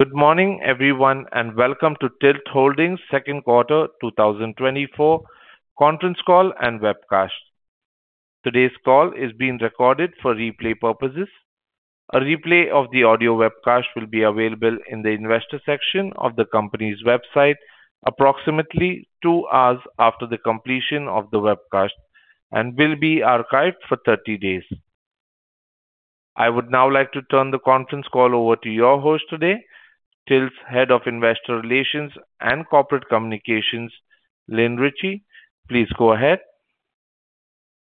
Good morning, everyone, and welcome to TILT Holdings Q2 2024 Conference Call and Webcast. Today's call is being recorded for replay purposes. A replay of the audio webcast will be available in the investor section of the company's website approximately 2 hours after the completion of the webcast and will be archived for 30 days. I would now like to turn the conference call over to your host today, TILT's Head of Investor Relations and Corporate Communications, Lynn Ricci. Please go ahead.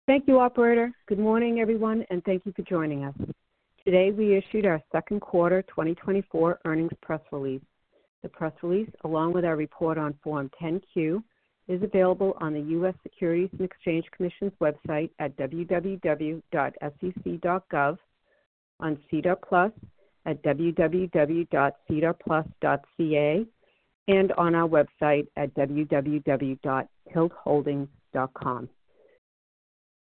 Thank you, operator. Good morning, everyone, and thank you for joining us. Today, we issued our Q2 2024 earnings press release. The press release, along with our report on Form 10-Q, is available on the U.S. Securities and Exchange Commission's website at www.sec.gov, on SEDAR+ at www.sedarplus.com, and on our website at www.tiltholdings.com.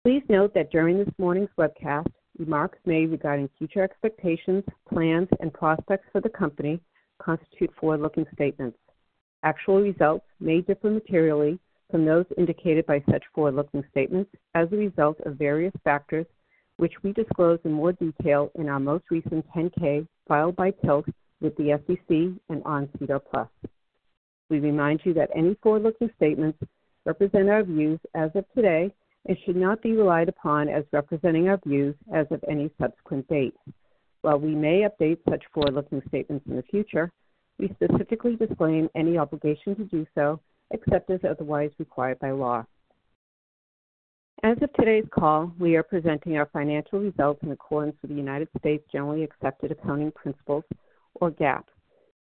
Please note that during this morning's webcast, remarks made regarding future expectations, plans, and prospects for the company constitute forward-looking statements. Actual results may differ materially from those indicated by such forward-looking statements as a result of various factors, which we disclose in more detail in our most recent 10-K filed by TILT with the SEC and on SEDAR+. We remind you that any forward-looking statements represent our views as of today and should not be relied upon as representing our views as of any subsequent date. While we may update such forward-looking statements in the future, we specifically disclaim any obligation to do so, except as otherwise required by law. As of today's call, we are presenting our financial results in accordance with the United States generally accepted accounting principles, or GAAP.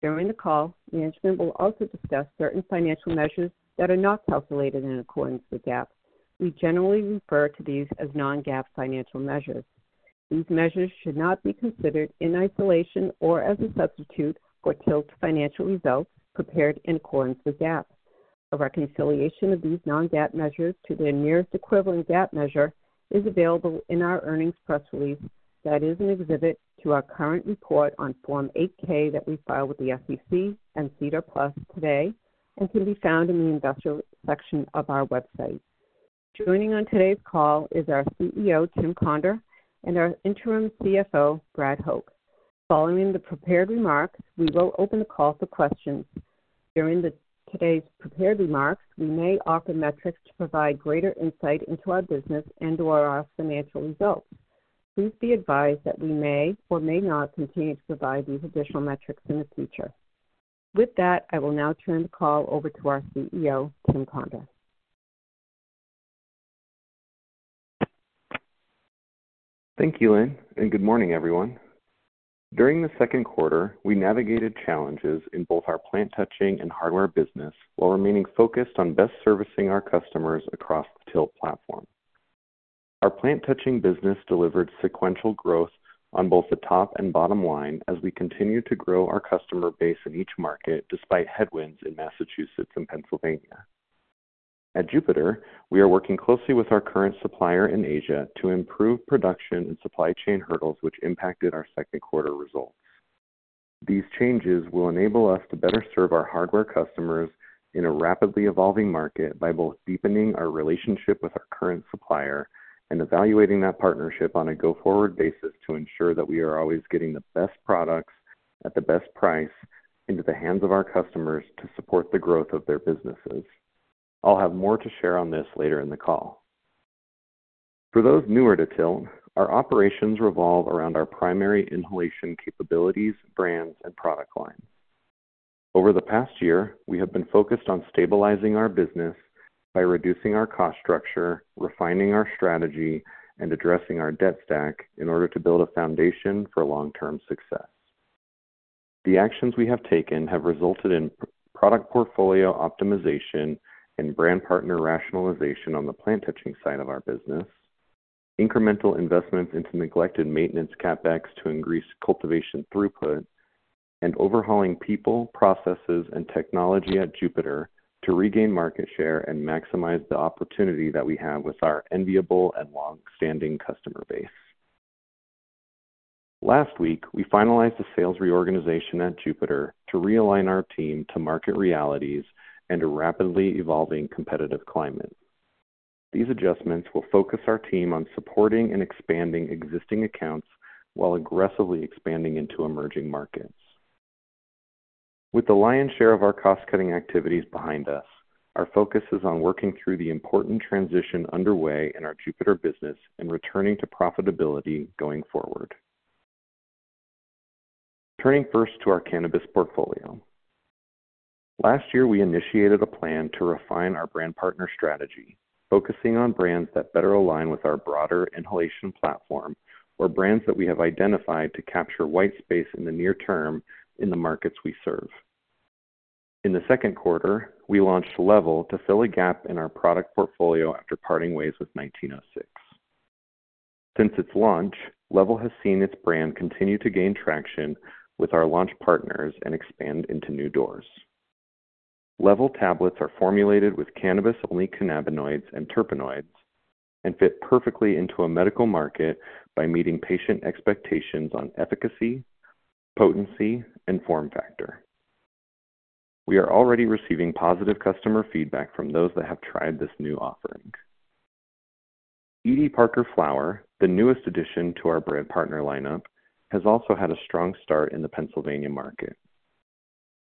During the call, management will also discuss certain financial measures that are not calculated in accordance with GAAP. We generally refer to these as non-GAAP financial measures. These measures should not be considered in isolation or as a substitute for TILT's financial results prepared in accordance with GAAP. A reconciliation of these non-GAAP measures to their nearest equivalent GAAP measure is available in our earnings press release that is an exhibit to our current report on Form 8-K that we filed with the SEC and SEDAR+ today, and can be found in the investor section of our website. Joining on today's call is our CEO, Tim Conder, and our interim CFO, Brad Hoch. Following the prepared remarks, we will open the call for questions. During today's prepared remarks, we may offer metrics to provide greater insight into our business and/or our financial results. Please be advised that we may or may not continue to provide these additional metrics in the future. With that, I will now turn the call over to our CEO, Tim Conder. Thank you, Lynn, and good morning, everyone. During the Q2, we navigated challenges in both our plant touching and hardware business, while remaining focused on best servicing our customers across the TILT platform. Our plant touching business delivered sequential growth on both the top and bottom line as we continued to grow our customer base in each market, despite headwinds in Massachusetts and Pennsylvania. At Jupiter, we are working closely with our current supplier in Asia to improve production and supply chain hurdles, which impacted our Q2 results. These changes will enable us to better serve our hardware customers in a rapidly evolving market by both deepening our relationship with our current supplier and evaluating that partnership on a go-forward basis to ensure that we are always getting the best products at the best price into the hands of our customers to support the growth of their businesses. I'll have more to share on this later in the call. For those newer to TILT, our operations revolve around our primary inhalation capabilities, brands, and product lines. Over the past year, we have been focused on stabilizing our business by reducing our cost structure, refining our strategy, and addressing our debt stack in order to build a foundation for long-term success. The actions we have taken have resulted in product portfolio optimization and brand partner rationalization on the plant touching side of our business, incremental investments into neglected maintenance CapEx to increase cultivation throughput, and overhauling people, processes, and technology at Jupiter to regain market share and maximize the opportunity that we have with our enviable and long-standing customer base. Last week, we finalized a sales reorganization at Jupiter to realign our team to market realities and a rapidly evolving competitive climate. These adjustments will focus our team on supporting and expanding existing accounts while aggressively expanding into emerging markets. With the lion's share of our cost-cutting activities behind us, our focus is on working through the important transition underway in our Jupiter business and returning to profitability going forward. Turning first to our cannabis portfolio. Last year, we initiated a plan to refine our brand partner strategy, focusing on brands that better align with our broader inhalation platform or brands that we have identified to capture white space in the near term in the markets we serve. In the Q2, we launched Level to fill a gap in our product portfolio after parting ways with 1906. Since its launch, Level has seen its brand continue to gain traction with our launch partners and expand into new doors. LEVEL tablets are formulated with cannabis-only cannabinoids and terpenoids, and fit perfectly into a medical market by meeting patient expectations on efficacy, potency, and form factor. We are already receiving positive customer feedback from those that have tried this new offering. Edie Parker Flower, the newest addition to our brand partner lineup, has also had a strong start in the Pennsylvania market.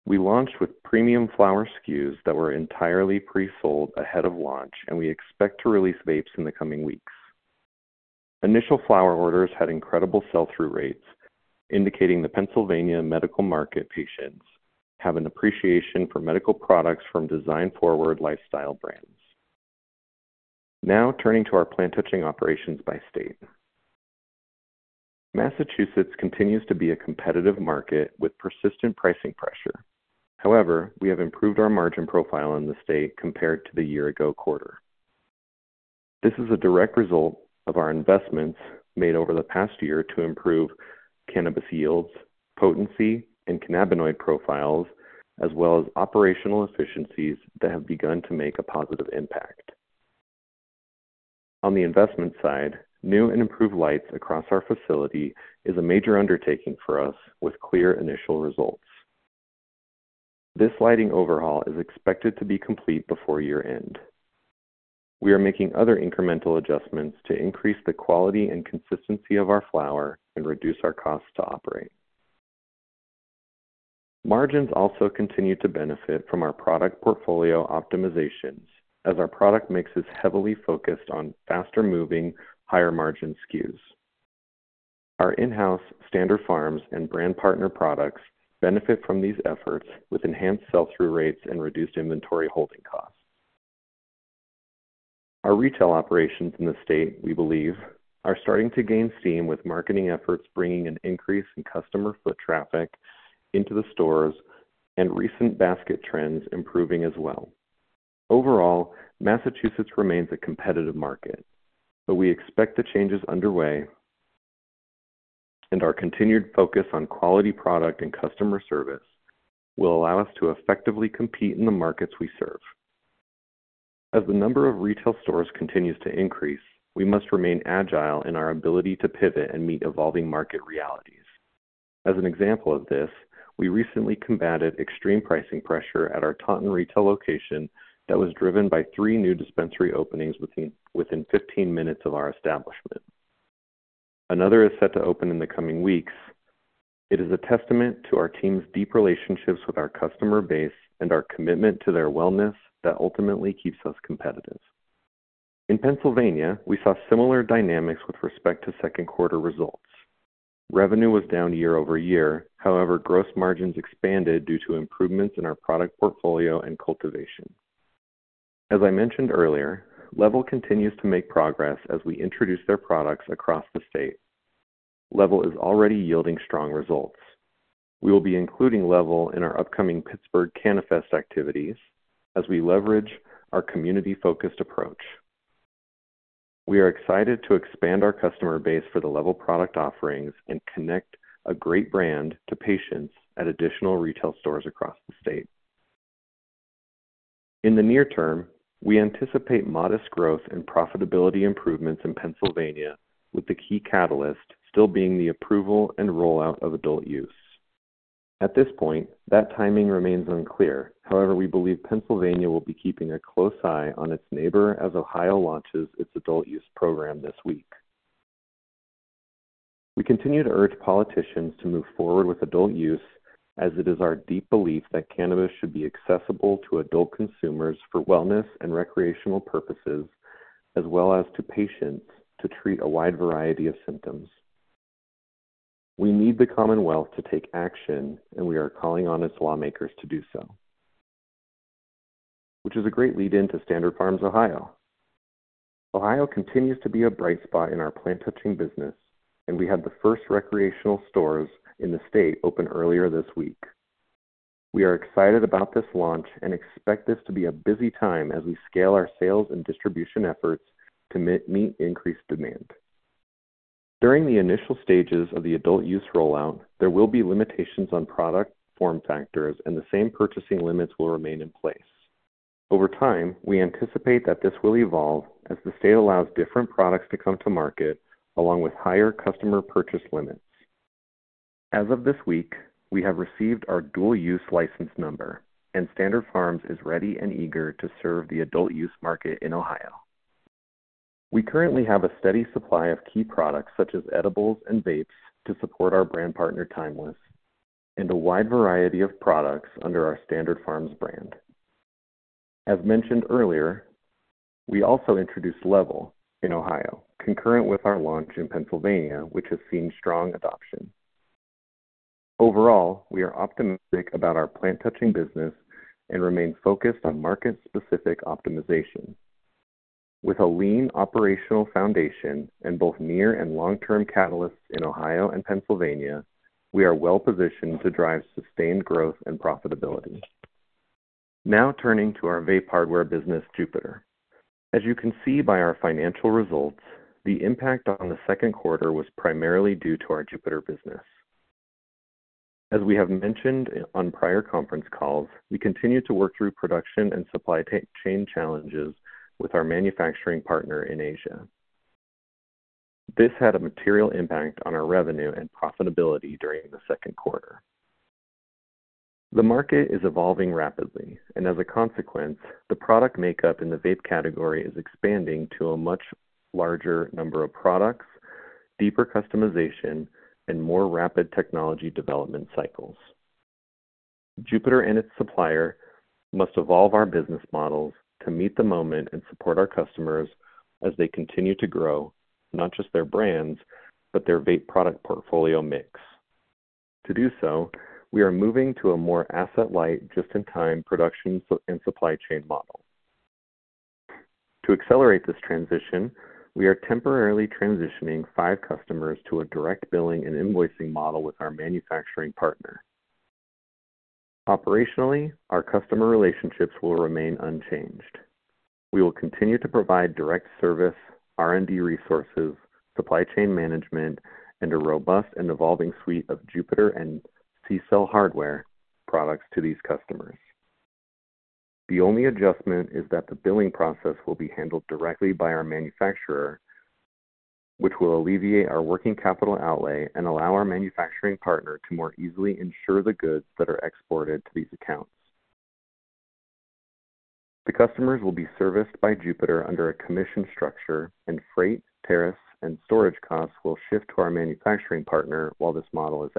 We launched with premium flower SKUs that were entirely pre-sold ahead of launch, and we expect to release vapes in the coming weeks. Initial flower orders had incredible sell-through rates, indicating the Pennsylvania medical market patients have an appreciation for medical products from design-forward lifestyle brands. Now, turning to our plant-touching operations by state. Massachusetts continues to be a competitive market with persistent pricing pressure. However, we have improved our margin profile in the state compared to the year ago quarter. This is a direct result of our investments made over the past year to improve cannabis yields, potency, and cannabinoid profiles, as well as operational efficiencies that have begun to make a positive impact. On the investment side, new and improved lights across our facility is a major undertaking for us with clear initial results. This lighting overhaul is expected to be complete before year-end. We are making other incremental adjustments to increase the quality and consistency of our flower and reduce our costs to operate. Margins also continue to benefit from our product portfolio optimizations, as our product mix is heavily focused on faster-moving, higher-margin SKUs. Our in-house Standard Farms and brand partner products benefit from these efforts with enhanced sell-through rates and reduced inventory holding costs. Our retail operations in the state, we believe, are starting to gain steam, with marketing efforts bringing an increase in customer foot traffic into the stores and recent basket trends improving as well. Overall, Massachusetts remains a competitive market, but we expect the changes underway, and our continued focus on quality product and customer service will allow us to effectively compete in the markets we serve. As the number of retail stores continues to increase, we must remain agile in our ability to pivot and meet evolving market realities. As an example of this, we recently combated extreme pricing pressure at our Taunton retail location that was driven by three new dispensary openings within 15 minutes of our establishment. Another is set to open in the coming weeks. It is a testament to our team's deep relationships with our customer base and our commitment to their wellness that ultimately keeps us competitive. In Pennsylvania, we saw similar dynamics with respect to Q2 results. Revenue was down year-over-year. However, gross margins expanded due to improvements in our product portfolio and cultivation. As I mentioned earlier, Level continues to make progress as we introduce their products across the state. Level is already yielding strong results. We will be including Level in our upcoming Pittsburgh CannaFest activities as we leverage our community-focused approach. We are excited to expand our customer base for the Level product offerings and connect a great brand to patients at additional retail stores across the state. In the near term, we anticipate modest growth and profitability improvements in Pennsylvania, with the key catalyst still being the approval and rollout of adult-use. At this point, that timing remains unclear. However, we believe Pennsylvania will be keeping a close eye on its neighbor as Ohio launches its adult-use program this week. We continue to urge politicians to move forward with adult use, as it is our deep belief that cannabis should be accessible to adult consumers for wellness and recreational purposes, as well as to patients to treat a wide variety of symptoms. We need the Commonwealth to take action, and we are calling on its lawmakers to do so, which is a great lead in to Standard Farms, Ohio. Ohio continues to be a bright spot in our plant touching business, and we had the first recreational stores in the state open earlier this week. We are excited about this launch and expect this to be a busy time as we scale our sales and distribution efforts to meet increased demand. During the initial stages of the adult-use rollout, there will be limitations on product form factors, and the same purchasing limits will remain in place. Over time, we anticipate that this will evolve as the state allows different products to come to market, along with higher customer purchase limits. As of this week, we have received our dual-use license number, and Standard Farms is ready and eager to serve the adult-use market in Ohio. We currently have a steady supply of key products, such as edibles and vapes, to support our brand partner, Timeless, and a wide variety of products under our Standard Farms brand. As mentioned earlier, we also introduced Level in Ohio, concurrent with our launch in Pennsylvania, which has seen strong adoption. Overall, we are optimistic about our plant touching business and remain focused on market-specific optimization. With a lean operational foundation and both near and long-term catalysts in Ohio and Pennsylvania, we are well-positioned to drive sustained growth and profitability. Now, turning to our vape hardware business, Jupiter as you can see by our financial results, the impact on the Q2 was primarily due to our Jupiter business. As we have mentioned on prior conference calls, we continue to work through production and supply chain challenges with our manufacturing partner in Asia. This had a material impact on our revenue and profitability during the Q2. The market is evolving rapidly, and as a consequence, the product makeup in the vape category is expanding to a much larger number of products, deeper customization, and more rapid technology development cycles. Jupiter and its supplier must evolve our business models to meet the moment and support our customers as they continue to grow, not just their brands, but their vape product portfolio mix. To do so, we are moving to a more asset-light, just-in-time production and supply chain model. To accelerate this transition, we are temporarily transitioning five customers to a direct billing and invoicing model with our manufacturing partner. Operationally, our customer relationships will remain unchanged. We will continue to provide direct service, R&D resources, supply chain management, and a robust and evolving suite of Jupiter and CCELL hardware products to these customers. The only adjustment is that the billing process will be handled directly by our manufacturer, which will alleviate our working capital outlay and allow our manufacturing partner to more easily insure the goods that are exported to these accounts. The customers will be serviced by Jupiter under a commission structure, and freight, tariffs, and storage costs will shift to our manufacturing partner while this model is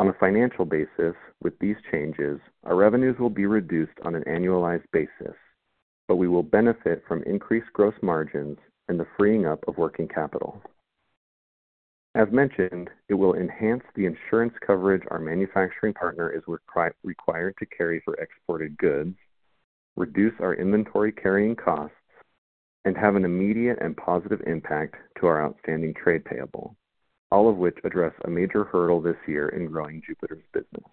active. On a financial basis, with these changes, our revenues will be reduced on an annualized basis, but we will benefit from increased gross margins and the freeing up of working capital. As mentioned, it will enhance the insurance coverage our manufacturing partner is required to carry for exported goods, reduce our inventory carrying costs, and have an immediate and positive impact to our outstanding trade payable, all of which address a major hurdle this year in growing Jupiter's business.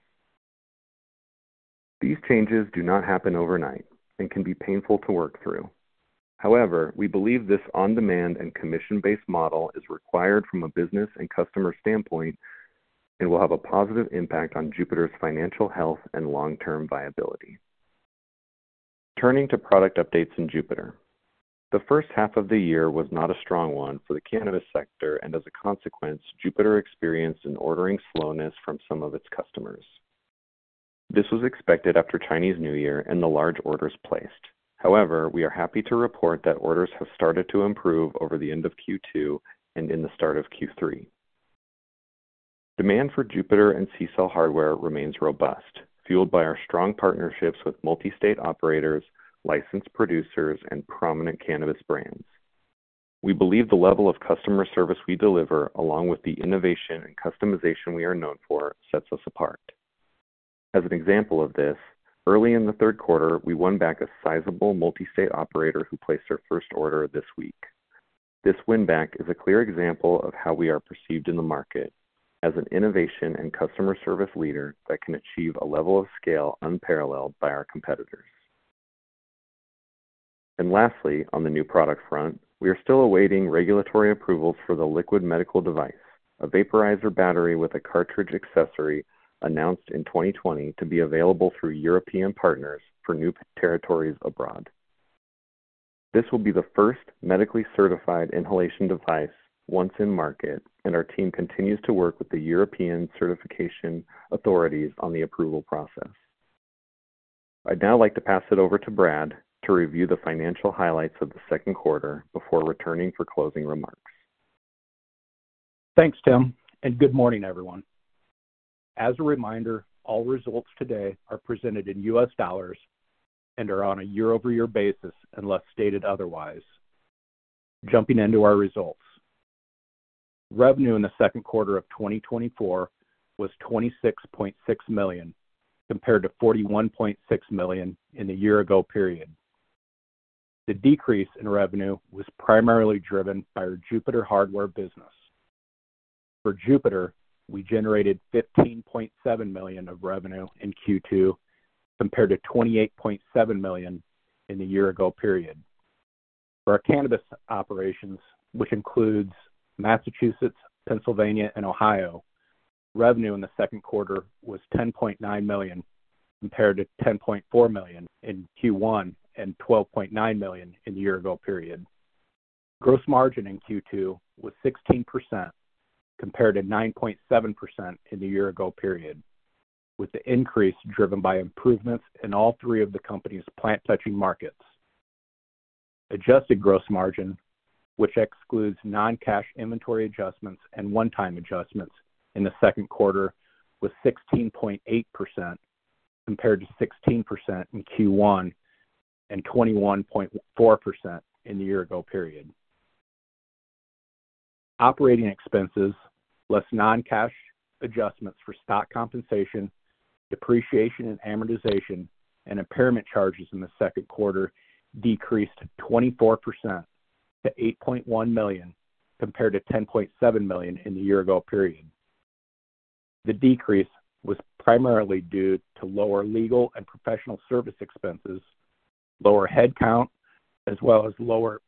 These changes do not happen overnight and can be painful to work through. However, we believe this on-demand and commission-based model is required from a business and customer standpoint, and will have a positive impact on Jupiter's financial health and long-term viability. Turning to product updates in Jupiter. The H1 of the year was not a strong one for the cannabis sector, and as a consequence, Jupiter experienced an ordering slowness from some of its customers. This was expected after Chinese New Year and the large orders placed. However, we are happy to report that orders have started to improve over the end of Q2 and in the start of Q3. Demand for Jupiter and CCELL hardware remains robust, fueled by our strong partnerships with multi-state operators, licensed producers, and prominent cannabis brands. We believe the level of customer service we deliver, along with the innovation and customization we are known for, sets us apart. As an example of this, early in the Q3, we won back a sizable multi-state operator who placed their first order this week. This win-back is a clear example of how we are perceived in the market: as an innovation and customer service leader that can achieve a level of scale unparalleled by our competitors. Lastly, on the new product front, we are still awaiting regulatory approvals for the Liquid Medical Device, a vaporizer battery with a cartridge accessory announced in 2020 to be available through European partners for new territories abroad. This will be the first medically certified inhalation device once in market, and our team continues to work with the European certification authorities on the approval process. I'd now like to pass it over to Brad to review the financial highlights of the Q2 before returning for closing remarks. Thanks, Tim, and good morning, everyone. As a reminder, all results today are presented in U.S. dollars and are on a year-over-year basis, unless stated otherwise. Jumping into our results. Revenue in the Q2 of 2024 was $26.6 million, compared to $41.6 million in the year ago period. The decrease in revenue was primarily driven by our Jupiter Hardware business. For Jupiter, we generated $15.7 million of revenue in Q2, compared to $28.7 million in the year ago period. For our cannabis operations, which includes Massachusetts, Pennsylvania, and Ohio, revenue in the Q2 was $10.9 million, compared to $10.4 million in Q1 and $12.9 million in the year ago period. Gross margin in Q2 was 16%, compared to 9.7% in the year ago period, with the increase driven by improvements in all three of the company's plant-touching markets. Adjusted gross margin, which excludes non-cash inventory adjustments and one-time adjustments in the Q2, was 16.8%, compared to 16% in Q1 and 21.4% in the year ago period. Operating expenses less non-cash adjustments for stock compensation, depreciation and amortization and impairment charges in the Q2 decreased 24% to $8.1 million, compared to $10.7 million in the year ago period. The decrease was primarily due to lower legal and professional service expenses, lower headcount, as well as lower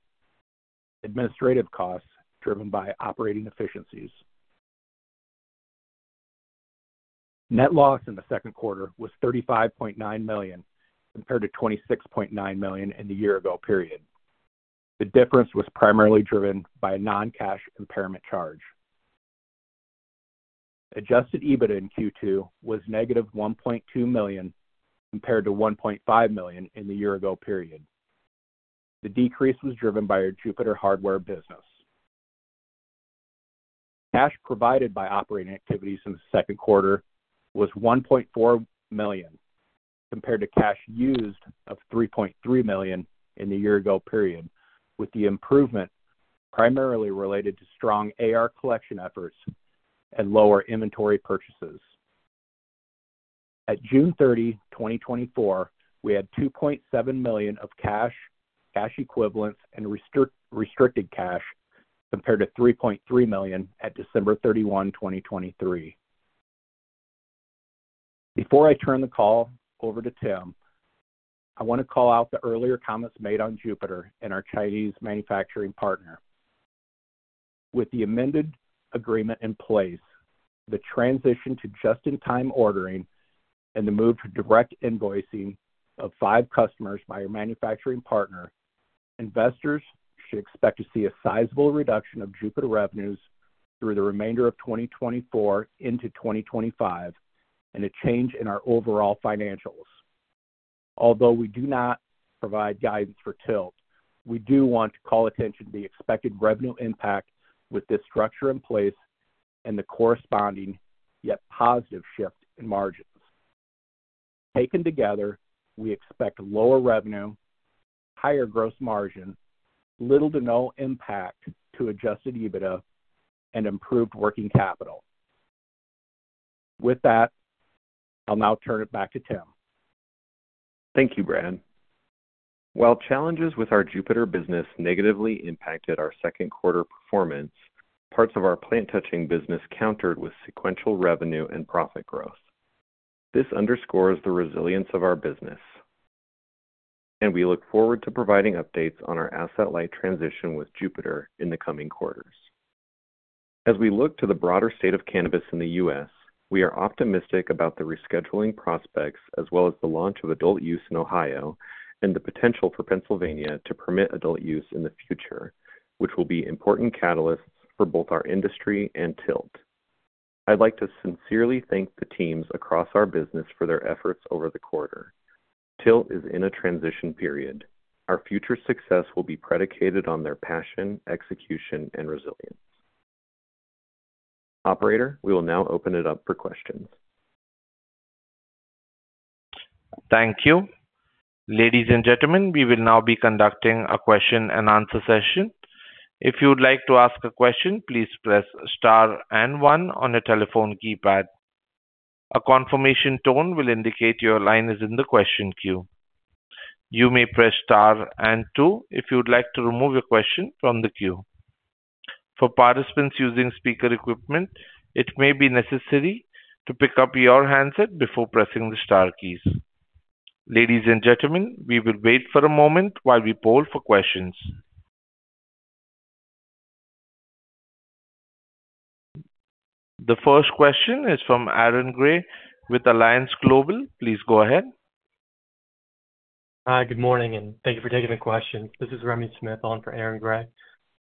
administrative costs, driven by operating efficiencies. Net loss in the Q2 was $35.9 million, compared to $26.9 million in the year ago period. The difference was primarily driven by a non-cash impairment charge. Adjusted EBITDA in Q2 was negative $1.2 million, compared to $1.5 million in the year ago period. The decrease was driven by our Jupiter hardware business. Cash provided by operating activities in the Q2 was $1.4 million, compared to cash used of $3.3 million in the year ago period, with the improvement primarily related to strong AR collection efforts and lower inventory purchases. At June 30, 2024, we had $2.7 million of cash, cash equivalents, and restricted cash, compared to $3.3 million at December 31, 2023. Before I turn the call over to Tim, I wanna call out the earlier comments made on Jupiter and our Chinese manufacturing partner. With the amended agreement in place, the transition to just-in-time ordering and the move to direct invoicing of five customers by your manufacturing partner, investors should expect to see a sizable reduction of Jupiter revenues through the remainder of 2024 into 2025, and a change in our overall financials. Although we do not provide guidance for TILT, we do want to call attention to the expected revenue impact with this structure in place and the corresponding, yet positive, shift in margins. Taken together, we expect lower revenue, higher gross margin, little to no impact to Adjusted EBITDA, and improved working capital. With that, I'll now turn it back to Tim. Thank you, Brad. While challenges with our Jupiter business negatively impacted our Q2 performance, parts of our plant touching business countered with sequential revenue and profit growth. This underscores the resilience of our business, and we look forward to providing updates on our asset-light transition with Jupiter in the coming quarters. As we look to the broader state of cannabis in the U.S., we are optimistic about the rescheduling prospects, as well as the launch of adult use in Ohio, and the potential for Pennsylvania to permit adult use in the future, which will be important catalysts for both our industry and Tilt. I'd like to sincerely thank the teams across our business for their efforts over the quarter. Tilt is in a transition period. Our future success will be predicated on their passion, execution, and resilience. Operator, we will now open it up for questions. Thank you. Ladies and gentlemen, we will now be conducting a question and answer session. If you would like to ask a question, please press Star and One on your telephone keypad. A confirmation tone will indicate your line is in the question queue. You may press Star and Two if you'd like to remove your question from the queue. For participants using speaker equipment, it may be necessary to pick up your handset before pressing the star keys. Ladies and gentlemen, we will wait for a moment while we poll for questions. The first question is from Aaron Gray with Alliance Global Partners. Please go ahead. Hi, good morning, and thank you for taking the question. This is Remy Smith on for Aaron Gray.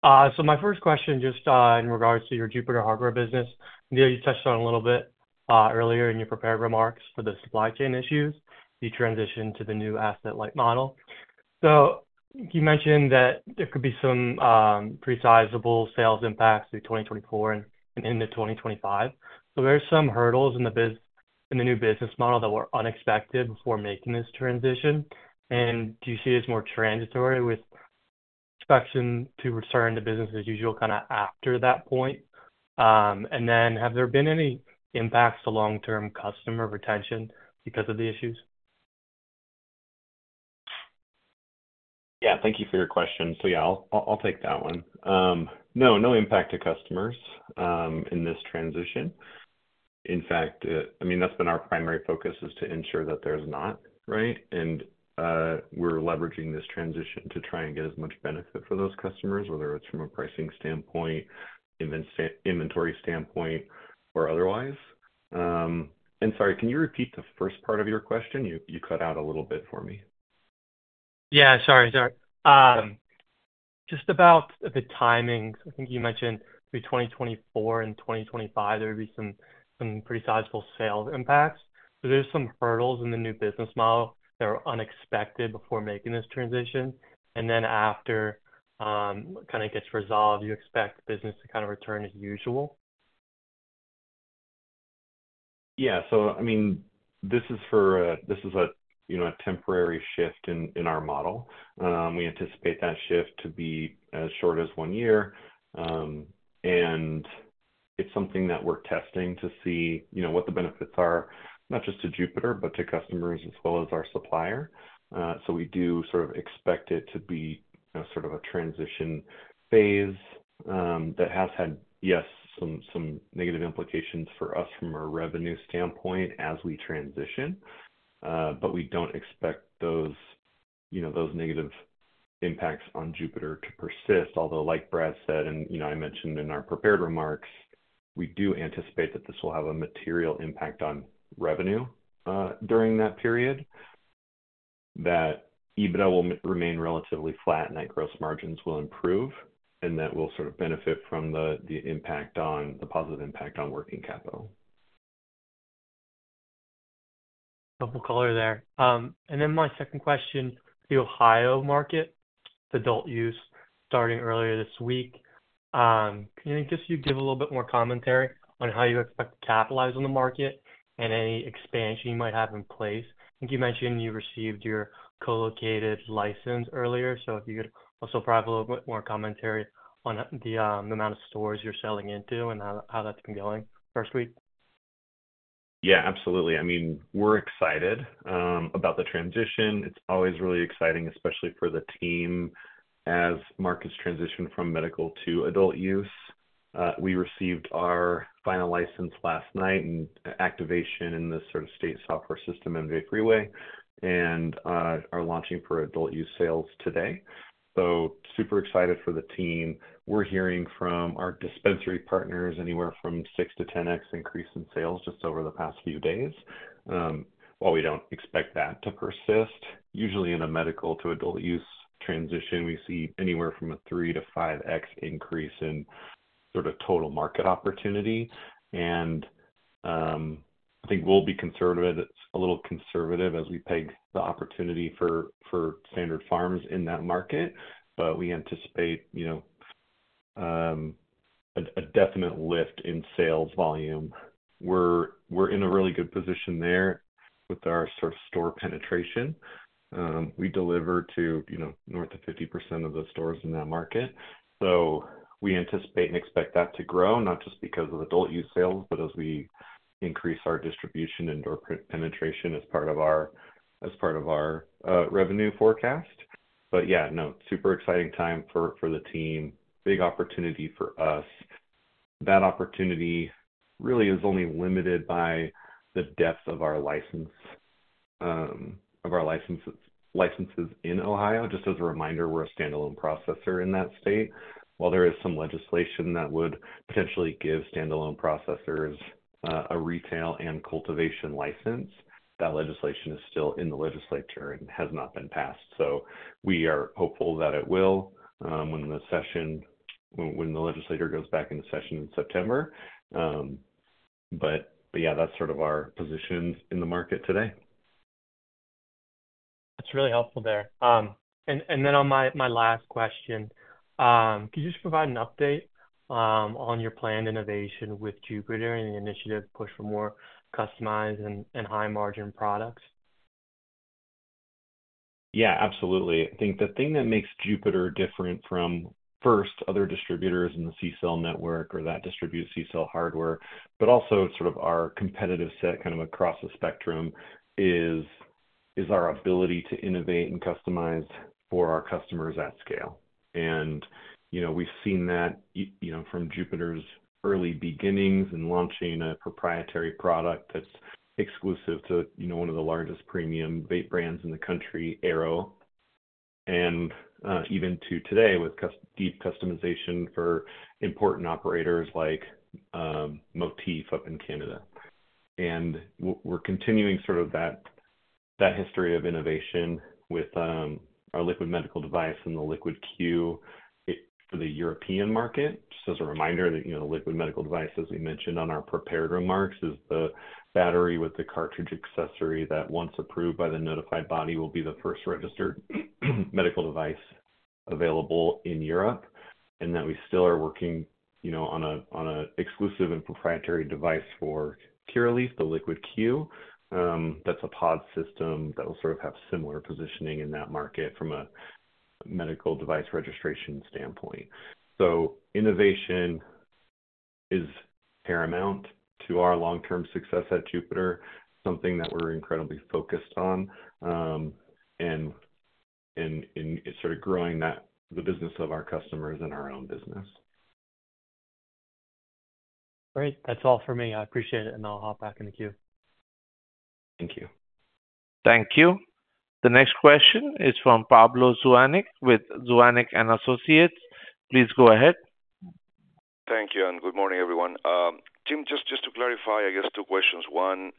So my first question, just, in regards to your Jupiter hardware business. I know you touched on it a little bit earlier in your prepared remarks for the supply chain issues, the transition to the new asset-light model. So you mentioned that there could be some pretty sizable sales impacts through 2024 and into 2025. So there are some hurdles in the new business model that were unexpected before making this transition, and do you see this more transitory with respect to return to business as usual, kinda, after that point? And then have there been any impacts to long-term customer retention because of the issues? Thank you for your question. So I'll take that one. No, no impact to customers in this transition. In fact, I mean, that's been our primary focus, is to ensure that there's not, right? And we're leveraging this transition to try and get as much benefit for those customers, whether it's from a pricing standpoint, inventory standpoint, or otherwise. And sorry, can you repeat the first part of your question? You, you cut out a little bit for me. Sorry. Just about the timing. I think you mentioned through 2024 and 2025, there would be some pretty sizable sales impacts. So there's some hurdles in the new business model that are unexpected before making this transition. And then after kinda gets resolved, do you expect business to return to usual? So this is a temporary shift in our model. We anticipate that shift to be as short as one year, and it's something that we're testing to see, you know, what the benefits are, not just to Jupiter, but to customers as well as our supplier. So we do expect it to be a transition phase. That has had, yes, some negative implications for us from a revenue standpoint as we transition. But we don't expect those, you know, those negative impacts on Jupiter to persist. Although, like Brad said, and, you know, I mentioned in our prepared remarks, we do anticipate that this will have a material impact on revenue during that period, that EBITDA will remain relatively flat and that gross margins will improve, and that will benefit from the positive impact on working capital. Helpful color there. And then my second question: the Ohio market, adult-use, starting earlier this week. Can you just give a little bit more commentary on how you expect to capitalize on the market and any expansion you might have in place? I think you mentioned you received your co-located license earlier, so if you could also provide a little bit more commentary on the amount of stores you're selling into and how that's been going first week? Absolutely. We're excited about the transition. It's always really exciting, especially for the team, as markets transition from medical to adult-use. We received our final license last night and activation in the state software system, MJ Freeway, and are launching for adult-use sales today. So super excited for the team. We're hearing from our dispensary partners, anywhere from 6-10x increase in sales just over the past few days. While we don't expect that to persist, usually in a medical to adult-use transition, we see anywhere from 3-5x increase in total market opportunity. And, I think we'll be conservative, a little conservative as we peg the opportunity for Standard Farms in that market. But we anticipate, you know, a definite lift in sales volume. We're, we're in a really good position there with our store penetration. We deliver to, you know, north of 50% of the stores in that market, so we anticipate and expect that to grow, not just because of adult-use sales, but as we increase our distribution and door penetration as part of our revenue forecast. But no, super exciting time for the team. Big opportunity for us. That opportunity really is only limited by the depth of our license, of our licenses, licenses in Ohio. Just as a reminder, we're a standalone processor in that state. While there is some legislation that would potentially give standalone processors a retail and cultivation license, that legislation is still in the legislature and has not been passed. We are hopeful that it will when the legislature goes back into session in September. But that's our position in the market today. That's really helpful there. And then on my last question, could you just provide an update on your planned innovation with Jupiter and the initiative push for more customized and high-margin products? Absolutely. The thing that makes Jupiter different from, first, other distributors in the CCELL network or that distribute CCELL hardware, but also our competitive set across the spectrum, is our ability to innovate and customize for our customers at scale. And, you know, we've seen that, you know, from Jupiter's early beginnings in launching a proprietary product that's exclusive to, you know, one of the largest premium vape brands in the country, Airo. And even to today, with deep customization for important operators like Motif up in Canada. And we're continuing that history of innovation with our Liquid Medical Device and the Cliq for the European market. Just as a reminder that, you know, the Liquid Medical Device, as we mentioned on our prepared remarks, is the battery with the cartridge accessory that, once approved by the notified body, will be the first registered medical device available in Europe, and that we still are working, you know, on an exclusive and proprietary device for Curaleaf, the Cliq. That's a pod system that will have similar positioning in that market from a medical device registration standpoint. So innovation is paramount to our long-term success at Jupiter, something that we're incredibly focused on, and it's growing that, the business of our customers and our own business. Great. That's all for me. I appreciate it, and I'll hop back in the queue. Thank you. Thank you. The next question is from Pablo Zuanic with Zuanic & Associates. Please go ahead. Thank you, and good morning, everyone. Tim, just to clarify, two questions. One,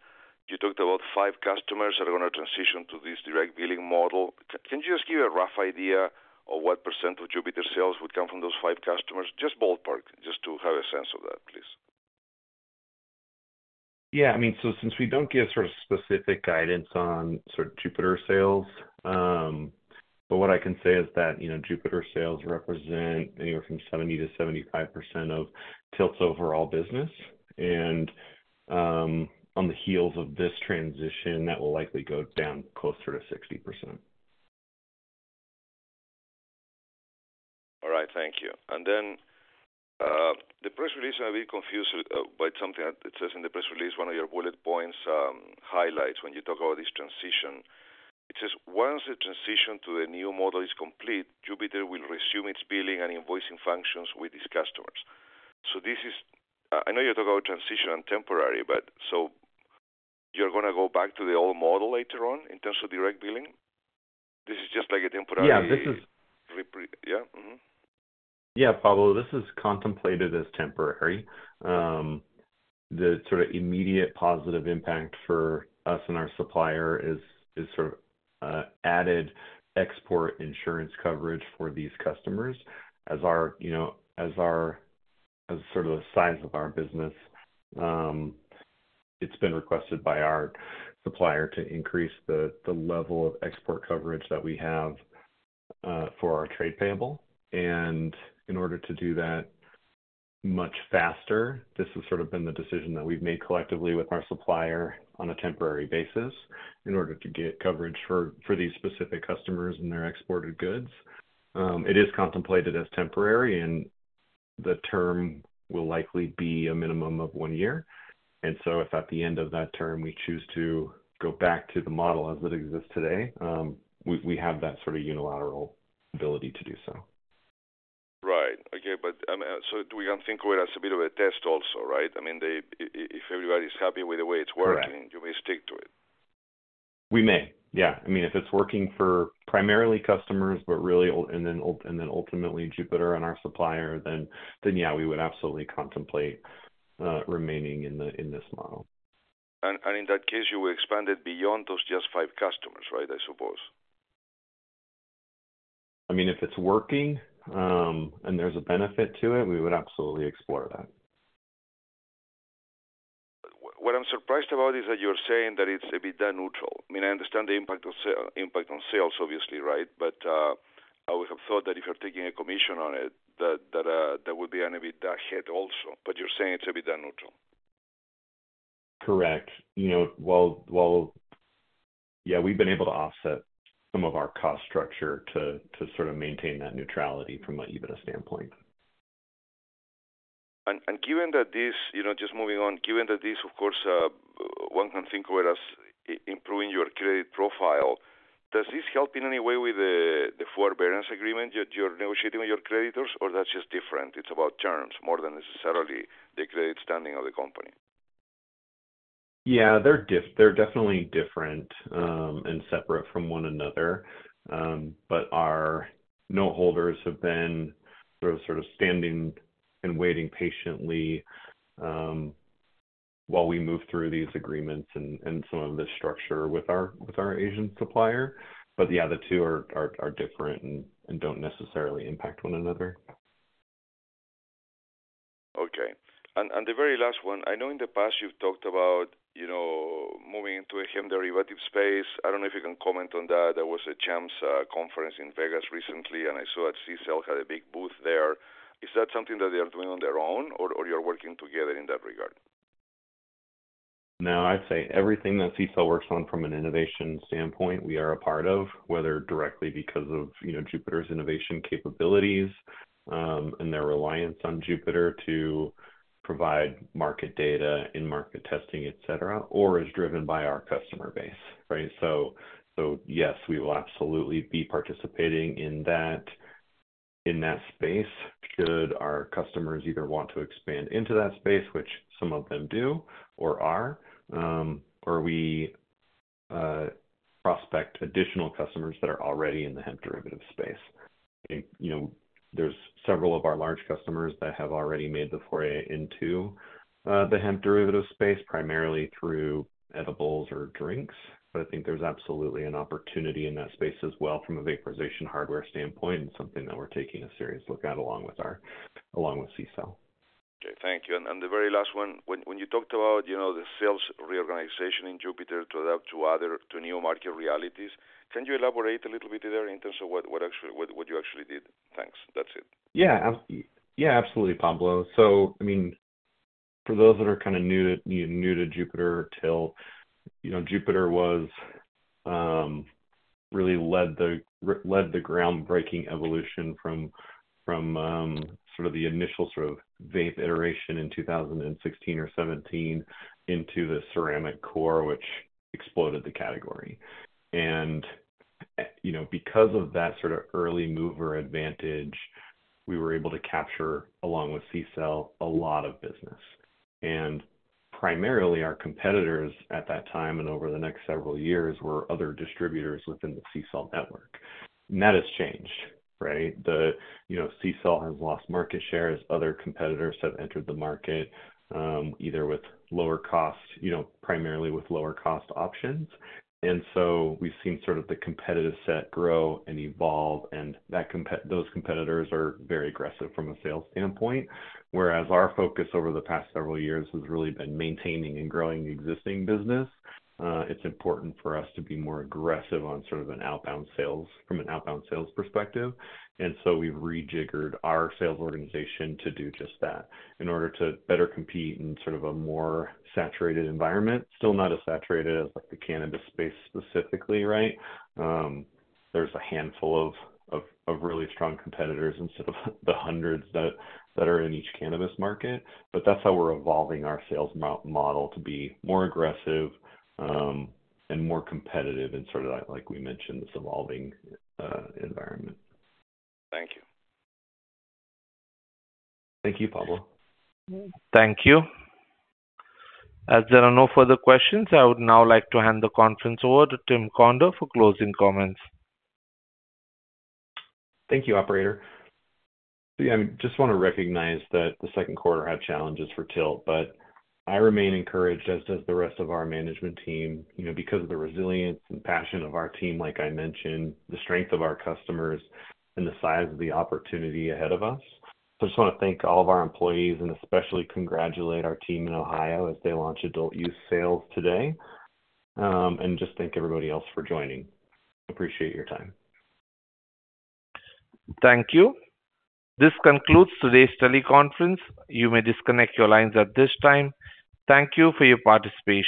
you talked about five customers that are gonna transition to this direct billing model. Can you just give a rough idea of what % of Jupiter sales would come from those five customers? Just ballpark, just to have a sense of that, please. So since we don't give specific guidance on Jupiter sales, but what I can say is that, you know, Jupiter sales represent anywhere from 70%-75% of TILT's overall business, and, on the heels of this transition, that will likely go down closer to 60%. All right, thank you. And then, the press release, I'm a bit confused by something that it says in the press release. One of your bullet points highlights when you talk about this transition. It says, "Once the transition to the new model is complete, Jupiter will resume its billing and invoicing functions with its customers." So this is—I, I know you talk about transition and temporary, but so you're gonna go back to the old model later on, in terms of direct billing? This is just like a temporary Yeah. Yeah, Pablo, this is contemplated as temporary. The immediate positive impact for us and our supplier is added export insurance coverage for these customers as our, you know, as our, as the size of our business. It's been requested by our supplier to increase the level of export coverage that we have for our trade payable. And in order to do that much faster, this has been the decision that we've made collectively with our supplier on a temporary basis, in order to get coverage for these specific customers and their exported goods. It is contemplated as temporary, and the term will likely be a minimum of one year. So if at the end of that term we choose to go back to the model as it exists today, we have that unilateral ability to do so. Right. Okay, but, I mean, so we can think of it as a bit of a test also, right? I mean, they, if everybody's happy with the way it's working- Correct. you may stick to it. We may. If it's working for primarily customers, but really, and then ultimately Jupiter and our supplier, then we would absolutely contemplate remaining in the, in this model. In that case, you will expand it beyond those just five customers, right? I suppose. I mean, if it's working, and there's a benefit to it, we would absolutely explore that. What I'm surprised about is that you're saying that it's EBITDA neutral. I mean, I understand the impact on sales, obviously, right? But, I would have thought that if you're taking a commission on it, that there would be an EBITDA hit also, but you're saying it's EBITDA neutral. Correct. We've been able to offset some of our cost structure to maintain that neutrality from an EBITDA standpoint. Given that this, you know, just moving on, given that this, of course, one can think of it as improving your credit profile, does this help in any way with the forbearance agreement that you're negotiating with your creditors, or that's just different, it's about terms more than necessarily the credit standing of the company? They're definitely different and separate from one another. But our note holders have been standing and waiting patiently while we move through these agreements and some of the structure with our Asian supplier. But the two are different and don't necessarily impact one another. Okay. And the very last one: I know in the past you've talked about, you know, moving into a hemp derivative space. I don't know if you can comment on that. There was a CHAMPS conference in Vegas recently, and I saw that CCELL had a big booth there. Is that something that they are doing on their own or you're working together in that regard? No, I'd say everything that CCELL works on from an innovation standpoint, we are a part of, whether directly because of, you know, Jupiter's innovation capabilities, and their reliance on Jupiter to provide market data in-market testing, et cetera, or is driven by our customer base, right? So, yes, we will absolutely be participating in that space, should our customers either want to expand into that space, which some of them do or are, or we prospect additional customers that are already in the hemp derivative space. You know, there's several of our large customers that have already made the foray into the hemp derivative space, primarily through edibles or drinks. But I think there's absolutely an opportunity in that space as well from a vaporization hardware standpoint, and something that we're taking a serious look at, along with our, along with CCELL. Okay, thank you. And the very last one, when you talked about, you know, the sales reorganization in Jupiter to adapt to other, to new market realities, can you elaborate a little bit there in terms of what you actually did? Thanks. That's it. Absolutely, Pablo. So for those that are new to Jupiter or Tilt, you know, Jupiter really led the groundbreaking evolution from the initial vape iteration in 2016 or 2017 into the ceramic core, which exploded the category. And you know, because of that early mover advantage, we were able to capture, along with CCELL, a lot of business. And primarily our competitors at that time and over the next several years were other distributors within the CCELL network. And that has changed, right? You know, CCELL has lost market share as other competitors have entered the market, either with lower cost, you know, primarily with lower cost options. We've seen the competitive set grow and evolve, and those competitors are very aggressive from a sales standpoint, whereas our focus over the past several years has really been maintaining and growing the existing business. It's important for us to be more aggressive on an outbound sales, from an outbound sales perspective. We've rejiggered our sales organization to do just that, in order to better compete in a more saturated environment. Still not as saturated as, like, the cannabis space specifically, right? There's a handful of really strong competitors instead of the hundreds that are in each cannabis market. But that's how we're evolving our sales model to be more aggressive, and more competitive and like we mentioned, this evolving environment. Thank you. Thank you, Pablo. Thank you. As there are no further questions, I would now like to hand the conference over to Tim Conder for closing comments. Thank you, operator. I just want to recognize that the Q2 had challenges for TILT, but I remain encouraged, as does the rest of our management team, you know, because of the resilience and passion of our team, like I mentioned, the strength of our customers and the size of the opportunity ahead of us. I just want to thank all of our employees and especially congratulate our team in Ohio as they launch adult-use sales today, and just thank everybody else for joining. Appreciate your time. Thank you. This concludes today's teleconference. You may disconnect your lines at this time. Thank you for your participation.